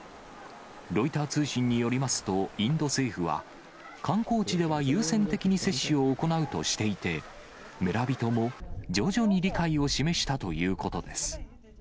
ロイター通信によりますと、インド政府は、観光地では優先的に接種を行うとしていて、村人も徐々に理解を示したということです。